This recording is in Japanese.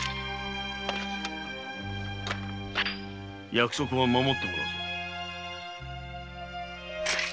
約束は守ってもらう。